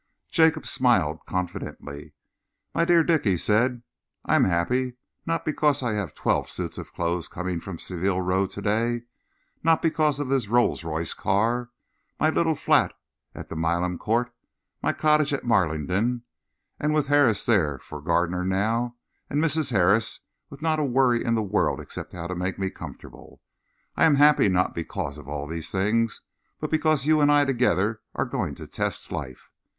Jacob smiled confidently. "My dear Dick," he said, "I am happy not because I have twelve suits of clothes coming home from Savile Row to day, not because of this Rolls Royce car, my little flat at the Milan Court, my cottage at Marlingden, with Harris there for gardener now, and Mrs. Harris with not a worry in the world except how to make me comfortable. I am happy not because of all these things, but because you and I together are going to test life.